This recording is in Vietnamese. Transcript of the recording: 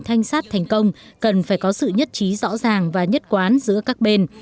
thanh sát thành công cần phải có sự nhất trí rõ ràng và nhất quán giữa các bên